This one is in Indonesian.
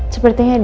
sepertinya dia kok